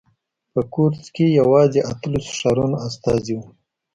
په کورتس کې یوازې اتلسو ښارونو استازي وو.